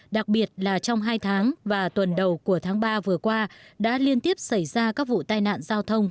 đặc biệt là trong hai tháng và tuần đầu của tháng ba vừa qua đã liên tiếp xảy ra các vụ tai nạn giao thông